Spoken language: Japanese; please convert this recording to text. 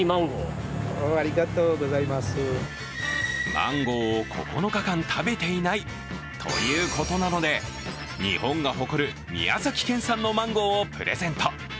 マンゴーを９日間食べていないということなので、日本が誇る宮崎県産のマンゴーをプレゼント。